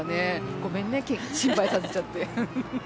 ごめんね心配させちゃって。